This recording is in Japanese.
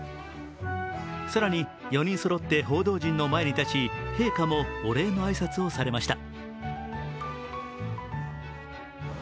更に４人そろって報道陣の前に立ち陛下もお礼の挨拶をされました。